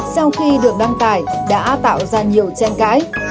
sau khi được đăng tải đã tạo ra nhiều tranh cãi